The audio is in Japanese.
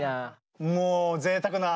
もうぜいたくな＃